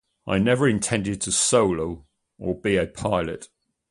I never intended to solo or be a pilot.